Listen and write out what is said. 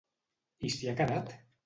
I s'hi ha quedat?